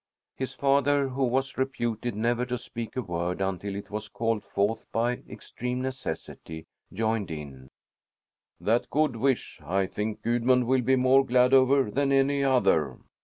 His father, who was reputed never to speak a word until it was called forth by extreme necessity, joined in: "That good wish, I think, Gudmund will be more glad over than any other."